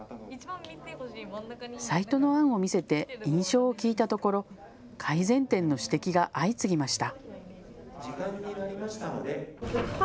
サイトの案を見せて印象を聞いたところ改善点の指摘が相次ぎました。